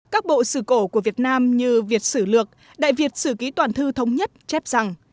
các bộ sử cổ của việt nam như việt sử lược đại việt sử ký toàn thư thống nhất chép rằng